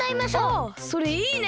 あっそれいいね。